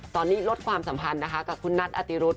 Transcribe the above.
ตอนนี้ลดความสัมพันธ์นะคะกับคุณนัทอติรุธ